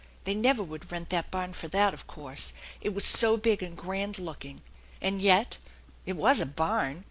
They never would rent that barn for that, of course, it was so big and grand looking; and yet it was a barn!